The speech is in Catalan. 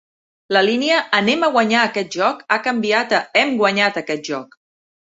La línia "Anem a guanyar aquest joc" ha canviat a "Hem guanyat aquest joc".